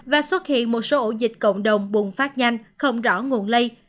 và xuất hiện một số ổ dịch cộng đồng bùng phát nhanh không rõ nguồn lây